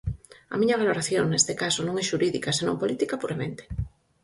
A miña valoración, neste caso, non é xurídica, senón política puramente.